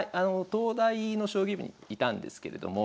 東大の将棋部にいたんですけれども。